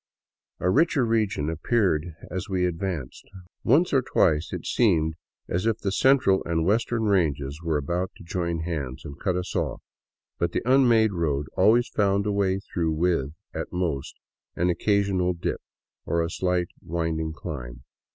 A richer region appeared as we advanced. Once or twice it seemed as if the central and western ranges were about to join hands and cut us off, but the " unmade " road always found a way through with, at most, an occasional dip, or a slight winding climb.